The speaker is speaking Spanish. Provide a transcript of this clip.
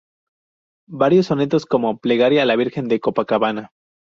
Varios sonetos como "Plegaria a la Virgen de Copacabana"